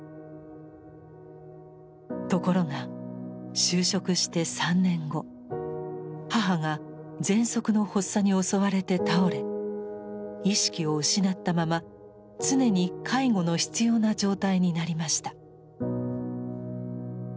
ところが就職して３年後母がぜんそくの発作に襲われて倒れ意識を失ったまま常に介護の必要な状態になりました。